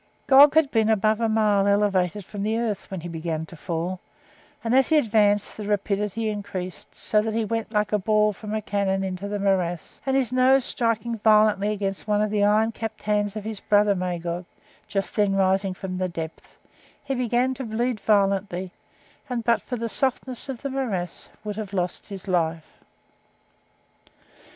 Gog had been above a mile elevated from the earth when he began to fall, and as he advanced the rapidity increased, so that he went like a ball from a cannon into the morass, and his nose striking against one of the iron capped hands of his brother Magog, just then rising from the depths, he began to bleed violently, and, but for the softness of the morass, would have lost his life.